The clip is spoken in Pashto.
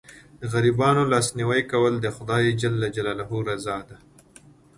د غریبانو لاسنیوی کول د خدای رضا ده.